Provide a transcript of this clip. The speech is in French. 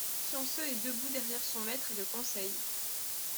Pionceux est debout derrière son maître et le conseille.